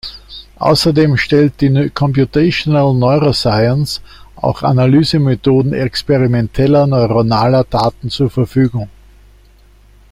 Außerdem stellt die Computational Neuroscience auch Analysemethoden experimenteller neuronaler Daten zur Verfügung.